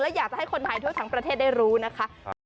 อยากจะให้คนไทยทั่วทั้งประเทศได้รู้นะคะ